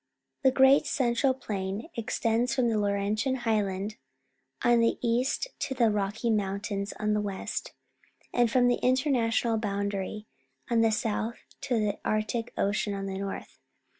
The Great Central Plain extends from the Laurentian Highland on the east to the Rocky Mountains on the west, and from the international boundary on the south to the Arctic Ocean on the north.